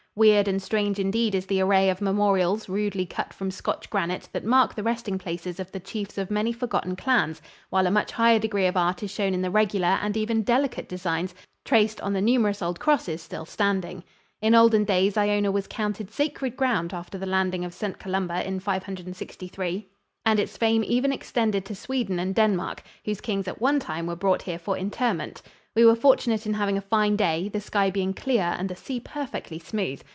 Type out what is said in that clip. Weird and strange indeed is the array of memorials rudely cut from Scotch granite that mark the resting places of the chiefs of many forgotten clans, while a much higher degree of art is shown in the regular and even delicate designs traced on the numerous old crosses still standing. In olden days Iona was counted sacred ground after the landing of St. Columba in 563, and its fame even extended to Sweden and Denmark, whose kings at one time were brought here for interment. We were fortunate in having a fine day, the sky being clear and the sea perfectly smooth.